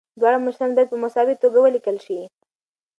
دواړه مشران باید په مساوي توګه ولیکل شي.